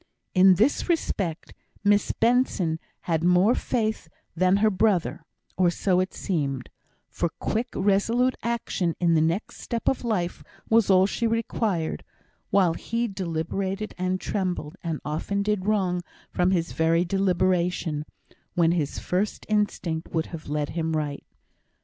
In this respect, Miss Benson had more faith than her brother or so it seemed; for quick, resolute action in the next step of Life was all she required, while he deliberated and trembled, and often did wrong from his very deliberation, when his first instinct would have led him right.